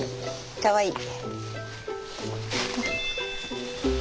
かわいい。